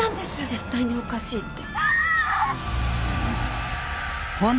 「絶対におかしいって」